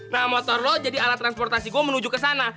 nah motor lo jadi alat transportasi gue menuju kesana